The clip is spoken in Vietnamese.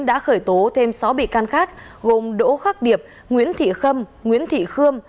đã khởi tố thêm sáu bị can khác gồm đỗ khắc điệp nguyễn thị khâm nguyễn thị khương